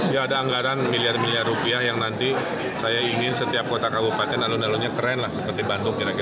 ya ada anggaran miliar miliar rupiah yang nanti saya ingin setiap kota kabupaten alun alunnya keren lah seperti bandung kira kira